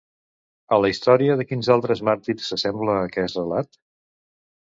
A la història de quins altres màrtirs s'assembla aquest relat?